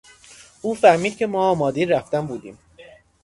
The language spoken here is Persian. او فهمید که ما آمادهی رفتن بودیم.